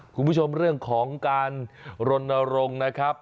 คุณผู้ชมเรื่องของการรณรงค์นะครับ